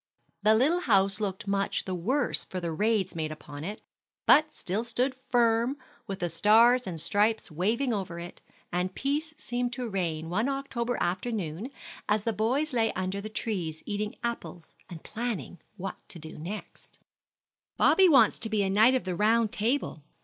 The little house looked much the worse for the raids made upon it, but still stood firm with the stars and stripes waving over it, and peace seemed to reign one October afternoon as the boys lay under the trees eating apples and planning what to play next. "Bobby wants to be a knight of the Round Table.